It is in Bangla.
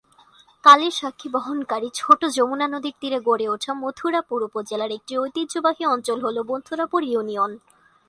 কালের স্বাক্ষী বহন কারী ছোট যমুনা নদীর তীরে গড়ে উঠা মথুরাপুর উপজেলার একটি ঐতিহ্যবাহী অঞ্চল হল মথুরাপুর ইউনিয়ন।